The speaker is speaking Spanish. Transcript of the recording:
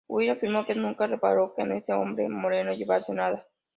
Witt afirmó que nunca reparó en que este hombre moreno llevase nada.